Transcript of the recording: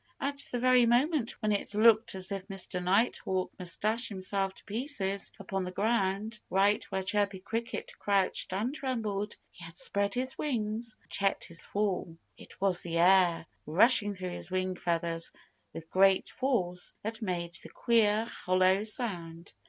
At the very moment when it looked as if Mr. Nighthawk must dash himself to pieces upon the ground, right where Chirpy Cricket crouched and trembled, he had spread his wings and checked his fall. It was the air, rushing through his wing feathers with great force, that made the queer, hollow sound.